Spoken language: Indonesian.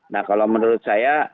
nah kalau menurut saya